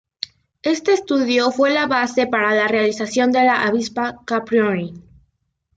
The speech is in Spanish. Este estudio fue la base para la realización de la Avispa-Caproni.